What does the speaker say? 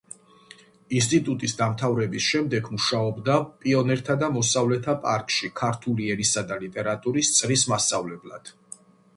ინსტიტუტის დამთავრების შემდეგ მუშაობდა პიონერთა და მოსწავლეთა პარკში ქართული ენისა და ლიტერატურის წრის მასწავლებლად.